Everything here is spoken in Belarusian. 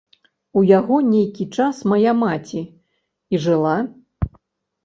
У яго нейкі час мая маці і жыла.